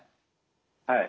はい。